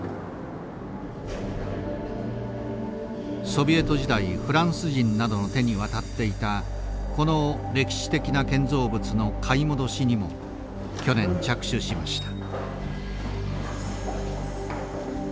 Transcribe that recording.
ソビエト時代フランス人などの手に渡っていたこの歴史的な建造物の買い戻しにも去年着手しました。